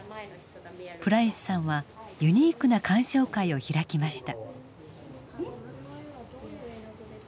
プライスさんはユニークな鑑賞会を開きました。